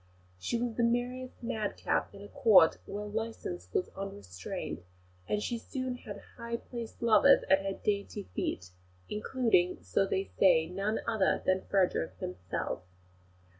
She was the merriest madcap in a Court where licence was unrestrained; and she soon had high placed lovers at her dainty feet, including, so they say, none other than Frederick himself.